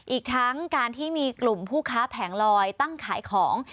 อีกทั้งการที่มีกลุ่มผู้ค้าแผงลอยตั้งขายของ